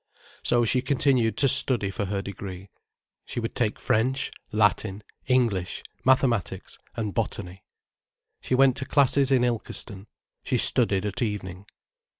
So she continued to study for her degree. She would take French, Latin, English, mathematics and botany. She went to classes in Ilkeston, she studied at evening.